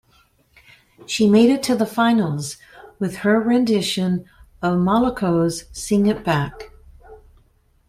She made it to the finals, with her rendition of Moloko's "Sing It Back".